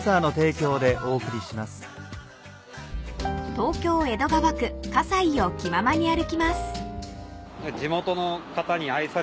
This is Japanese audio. ［東京江戸川区葛西を気ままに歩きます］へ。